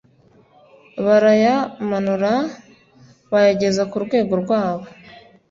barayamanura bayageza ku rwego rwabo.